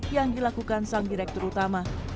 yang dilakukan sang direktur utama